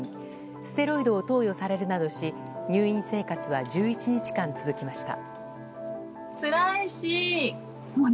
ステロイドを投与されるなどし入院生活は１１日間続きました。